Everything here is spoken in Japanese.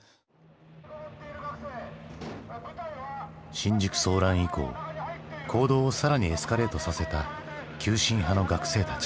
新宿騒乱以降行動を更にエスカレートさせた急進派の学生たち。